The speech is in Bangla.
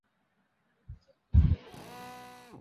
এই যুক্তিপ্রণালী আরও অতীতে প্রয়োগ করা খু্বই যুক্তিসঙ্গত।